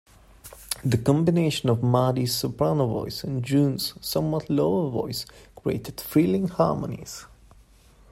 The combination of Maddy's soprano voice and June's somewhat lower voice created thrilling harmonies.